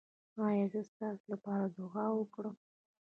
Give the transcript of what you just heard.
ایا زه ستاسو لپاره دعا وکړم؟